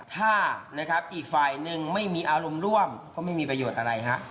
ถ้าอีกฝ่ายนึงไม่มีอารมณ์ร่วมก็ไม่มีประโยชน์อะไร